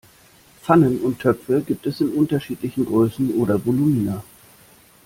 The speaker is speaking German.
Pfannen und Töpfe gibt es in unterschiedlichen Größen oder Volumina.